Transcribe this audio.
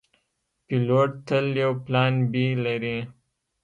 پیلوټ تل یو پلان “B” لري.